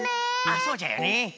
あそうじゃよね。